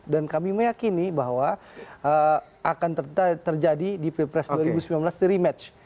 dan kami meyakini bahwa akan terjadi di pilpres dua ribu sembilan belas rematch